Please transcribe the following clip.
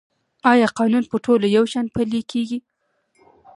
آیا قانون په ټولو یو شان پلی کیږي؟